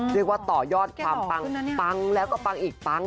เรียกว่าต่อยอดความปังปังแล้วก็ปังอีกปัง